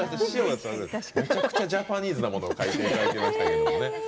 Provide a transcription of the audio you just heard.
めちゃくちゃジャパニーズなことを書いていただきましたが。